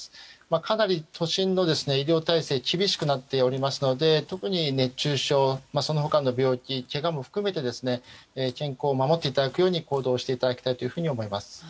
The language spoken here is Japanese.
かなり都心の医療体制厳しくなっておりますので特に熱中症、その他の病気けがも含めて健康を守っていただくように行動していただきたいと思います。